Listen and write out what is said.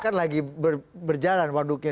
kan lagi berjalan waduknya